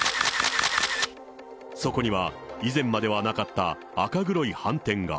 そこには、以前まではなかった赤黒い斑点が。